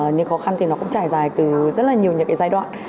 những khó khăn thì nó cũng trải dài từ rất là nhiều những cái giai đoạn